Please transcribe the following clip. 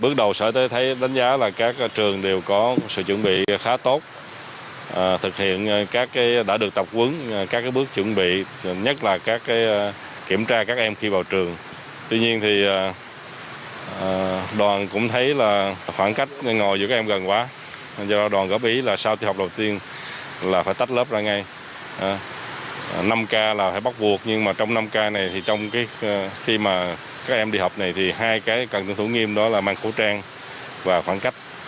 cần tưởng thủ nghiêm đó là mang khẩu trang và khoảng cách